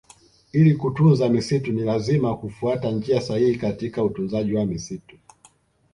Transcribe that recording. Ili kutunza misitu ni lazima kufuata njia sahihi katika utunzaji wa misitu